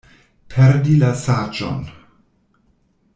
Perdi la saĝon.